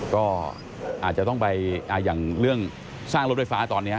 ก็อาจจะต้องไปอย่างเรื่องสร้างรถไฟฟ้าตอนนี้